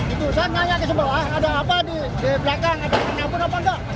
itu saya nganyak ke bawah ada apa di belakang ada kenyapun apa enggak